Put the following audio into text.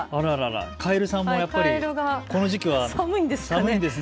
カエルさんもやっぱりこの時期は寒いんですね。